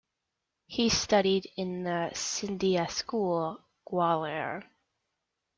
He studied in The Scindia School, Gwalior.